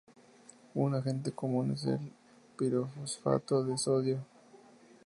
Un agente común es el pirofosfato de sodio.